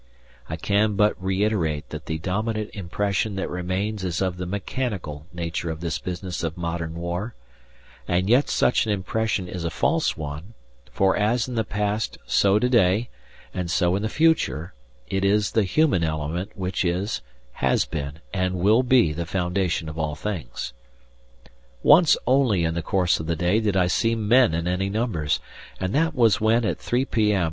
I can but reiterate that the dominant impression that remains is of the mechanical nature of this business of modern war, and yet such an impression is a false one, for as in the past so to day, and so in the future, it is the human element which is, has been, and will be the foundation of all things. Once only in the course of the day did I see men in any numbers, and that was when at 3 p.m.